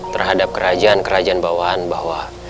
terhadap kerajaan kerajaan bawahan bahwa